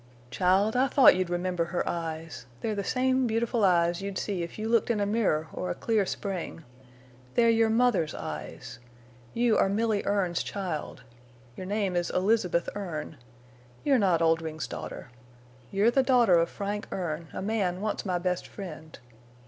"Child, I thought you'd remember her eyes. They're the same beautiful eyes you'd see if you looked in a mirror or a clear spring. They're your mother's eyes. You are Milly Erne's child. Your name is Elizabeth Erne. You're not Oldring's daughter. You're the daughter of Frank Erne, a man once my best friend.